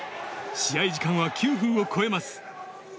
試合時間は９分を超えます。